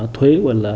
thuế hoặc là